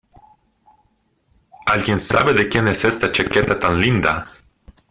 ¿Alguien sabe de quién es esta chaqueta tan linda?